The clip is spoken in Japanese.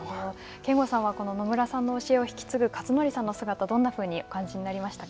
憲剛さんはこの野村さんの教えを引き継ぐ克則さんの姿をどんなふうにお感じになりましたか。